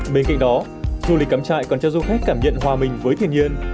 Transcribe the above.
bên cạnh đó du lịch cắm chạy còn cho du khách cảm nhận hòa bình với thiên nhiên